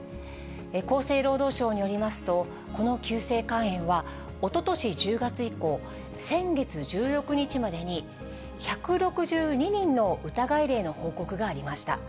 厚生労働省によりますと、この急性肝炎は、おととし１０月以降、先月１６日までに、１６２人の疑い例の報告がありました。